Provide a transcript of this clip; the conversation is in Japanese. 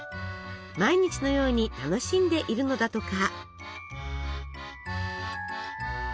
毎日のように楽しんでいるのだとか。